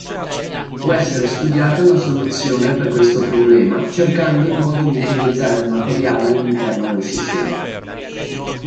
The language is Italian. Può essere studiata una soluzione per questo problema cercando il modo di utilizzare il materiale all'interno del sistema.